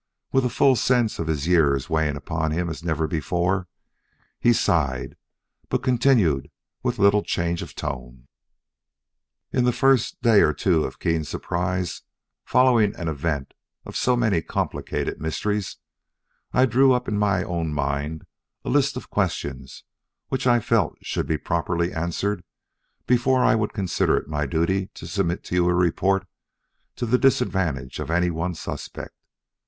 With a full sense of his years weighing upon him as never before, he sighed, but continued with little change of tone: "In the first day or two of keen surprise following an event of so many complicated mysteries, I drew up in my own mind a list of questions which I felt should be properly answered before I would consider it my duty to submit to you a report to the disadvantage of any one suspect.